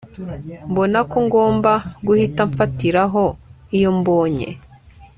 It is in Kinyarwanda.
mbona ko ngomba guhita mfatiraho iyo mbonye